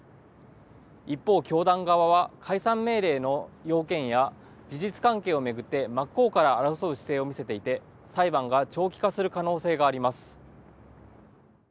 一方、教団側は解散命令の要件や事実関係を巡って真っ向から争う姿勢を見せていて裁判が長期化する可能性があります。